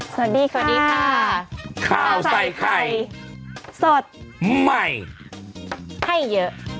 สวัสดีค่ะสวัสดีค่ะข้าวใส่ไข่สดใหม่ให้เยอะ